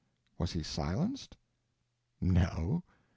Was he silenced? No.